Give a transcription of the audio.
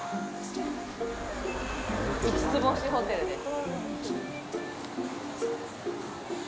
五つ星ホテルです。